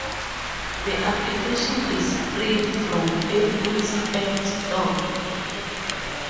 The application is free from Apple's App store.